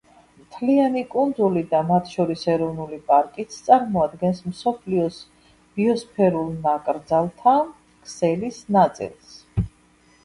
მთლიანი კუნძული და მათ შორის ეროვნული პარკიც წარმოადგენს მსოფლიოს ბიოსფერულ ნაკრძალთა ქსელის ნაწილს.